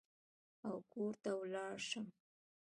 او کور ته ولاړ شم.